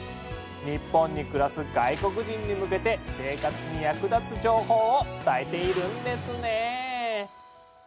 日本に暮らす外国人に向けて生活に役立つ情報を伝えているんですね。